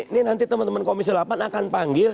ini nanti teman teman komisi delapan akan panggil